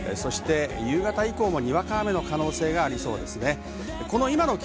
夕方以降、にわか雨の可能性がありそうです。